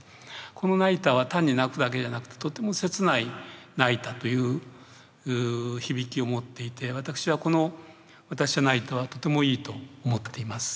この「泣いた」は単に泣くだけじゃなくてとても切ない泣いたという響きを持っていて私はこの「わたしは泣いた」はとてもいいと思っています。